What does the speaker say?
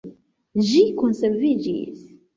Ĝi konserviĝis.